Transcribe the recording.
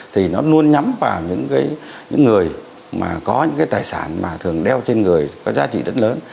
thì nó luôn nhắm vào những người mà có những cái tài sản mà thường đeo trên người có giá trị rất lớn